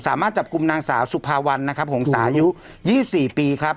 สามารถจับกุมนางสาวสุภาวันนะครับผมสายุยี่สิบสี่ปีครับ